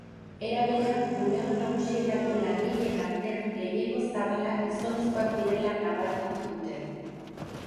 Era berean, bulego nagusietako langileen artean gehiengo zabala gizonezkoak direla nabarmendu dute.